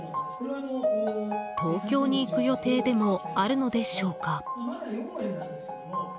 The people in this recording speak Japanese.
東京に行く予定でもあるのでしょうか？